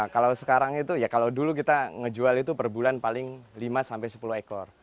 kalau sekarang itu ya kalau dulu kita ngejual itu per bulan paling lima sampai sepuluh ekor